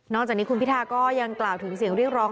จากนี้คุณพิทาก็ยังกล่าวถึงเสียงเรียกร้อง